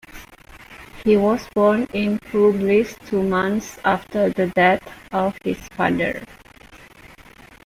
He was born in Volubilis two months after the death of his father.